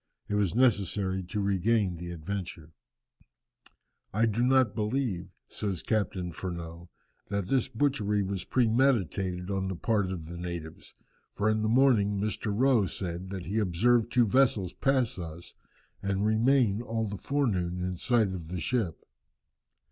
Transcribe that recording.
It was necessary to regain the Adventure. "I do not believe," says Captain Furneaux, "that this butchery was premeditated on the part of the natives, for in the morning Mr. Rowe said that he observed two vessels pass us, and remain all the forenoon in sight of the ship.